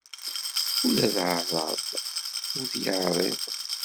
Ula d aɛraḍ ur t-yeɛriḍ.